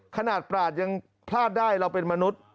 ขนาดปราศยังพลาดได้เราเป็นมนุษย์